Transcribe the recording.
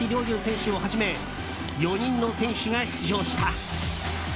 侑選手をはじめ４人の選手が出場した。